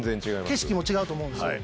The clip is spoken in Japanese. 景色も違うと思うんですよ。